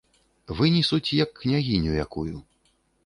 Вынесуць, як княгіню якую.